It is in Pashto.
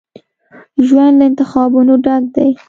ژوند له انتخابونو ډک دی.